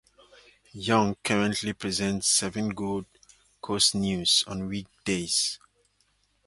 Young currently presents "Seven Gold Coast News" on weekdays.